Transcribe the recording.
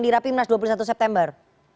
di rapimnas dua puluh satu september